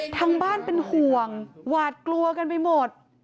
ทางบ้านเป็นห่วงหวาดกลัวกันไปหมด